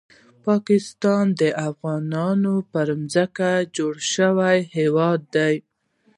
پاکستان د افغانانو په ځمکه جوړ شوی هیواد دی